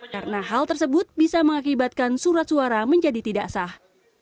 karena hal tersebut bisa mengakibatkan surat suara menjadi tidak sah